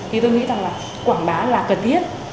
thì tôi nghĩ rằng là quảng bá là cần thiết